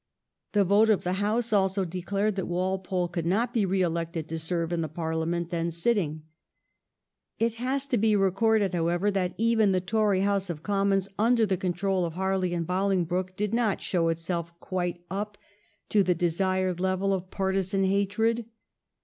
The vote of the House also declared that Walpole could not be re elected to serve in the Parliament then sitting. It has to be recorded, however, that even the Tory House of Commons, under the control of Harley and Bolingbroke, did not show itself quite up to the desired level of partisan hatred.